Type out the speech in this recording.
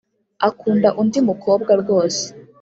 akunda undi mukobwa rwose.